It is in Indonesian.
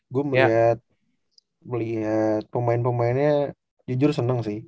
gue melihat pemain pemainnya jujur senang sih